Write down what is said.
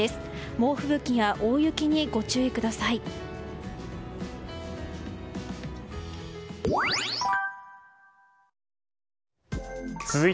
猛吹雪や大雪にご注意ください。